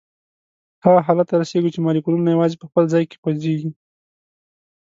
هغه حالت ته رسیږو چې مالیکولونه یوازي په خپل ځای کې خوځیږي.